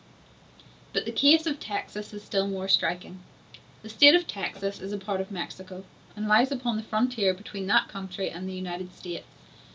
But the case of Texas is still more striking: the State of Texas is a part of Mexico, and lies upon the frontier between that country and the United States.